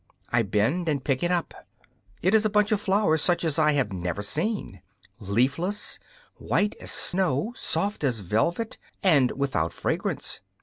I bend and pick it up. It is a bunch of flowers such as I have never seen leafless, white as snow, soft as velvet, and without fragrance.